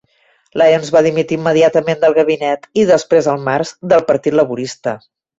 Lyons va dimitir immediatament del Gabinet, i després al març, del Partit Laborista.